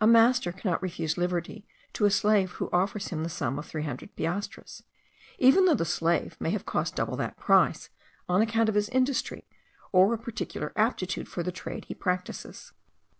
A master cannot refuse liberty to a slave who offers him the sum of three hundred piastres, even though the slave may have cost double that price, on account of his industry, or a particular aptitude for the trade he practises.